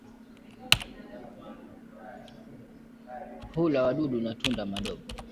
Hula wadudu na tunda madogo.